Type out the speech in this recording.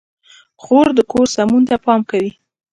خور د کور سمون ته پام کوي.